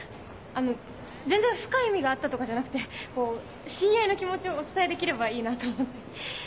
あの全然深い意味があったとかじゃなくてこう親愛の気持ちをお伝えできればいいなと思って。